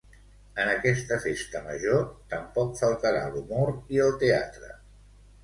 En aquesta Festa Major tampoc faltarà l'humor i el teatre